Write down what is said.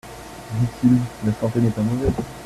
dit-il, la santé n'est pas mauvaise.